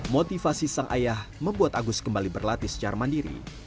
motivasi sang ayah membuat agus kembali berlatih secara mandiri